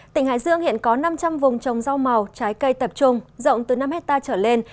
tỉnh hải dương hiện có năm trăm linh vùng trồng rau màu trái cây tập trung rộng từ năm hectare trở lên